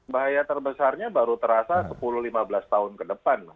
bahaya terbesarnya baru terasa sepuluh lima belas tahun ke depan